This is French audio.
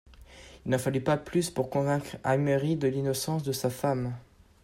Il n'en fallut pas plus pour convaincre Aimery de l'innocence de sa femme.